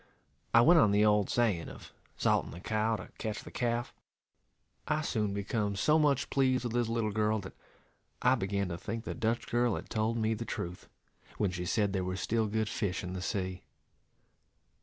I went on the old saying, of salting the cow to catch the calf. I soon become so much pleased with this little girl, that I began to think the Dutch girl had told me the truth, when she said there was still good fish in the sea.